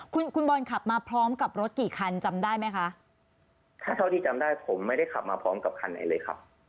คุณคุณบอลขับมาพร้อมกับรถกี่คันจำได้ไหมคะถ้าเท่าที่จำได้ผมไม่ได้ขับมาพร้อมกับคันไหนเลยครับ